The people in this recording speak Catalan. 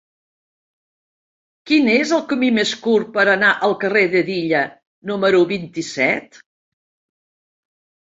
Quin és el camí més curt per anar al carrer d'Hedilla número vint-i-set?